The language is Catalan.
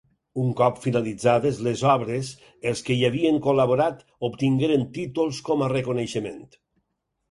Un cop finalitzades les obres Els que hi havien col·laborat obtingueren títols com a reconeixement.